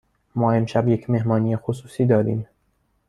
ما امشب یک مهمانی خصوصی داریم.